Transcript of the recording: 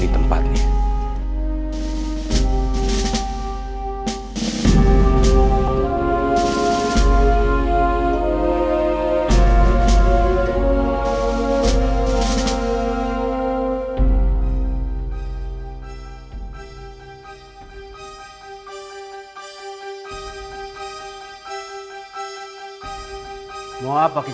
jangan kasihan harimengine